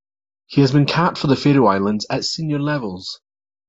He has been capped for the Faroe Islands at senior level.